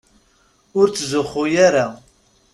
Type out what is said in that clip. Ur ttzuxxu ara.